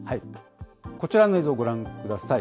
こちらの映像、ご覧ください。